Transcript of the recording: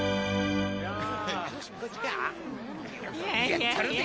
やったるで！